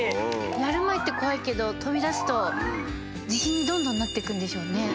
やる前って怖いけど飛び出すと自信にどんどんなっていくんでしょうね。